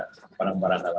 kepadam barang dalam